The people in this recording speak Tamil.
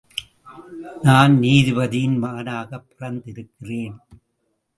நான் நீதிபதியின் மகனாகப் பிறந்திருக்கிறேன்.